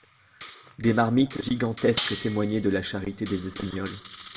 Des marmites gigantesques témoignaient de la charité des Espagnols.